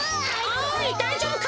おいだいじょうぶか？